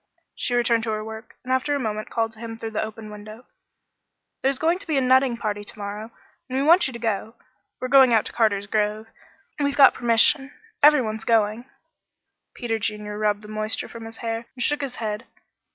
She returned to her work, and after a moment called to him through the open window. "There's going to be a nutting party to morrow, and we want you to go. We're going out to Carter's grove; we've got permission. Every one's going." Peter Junior rubbed the moisture from his hair and shook his head.